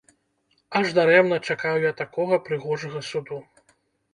Аж дарэмна чакаў я такога прыгожага суду.